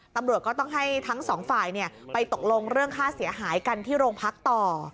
ตำรวจก็ต้องให้ทั้งสองฝ่ายไปตกลงเรื่องค่าเสียหายกันที่โรงพักต่อ